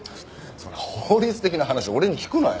そんな法律的な話俺に聞くなよ。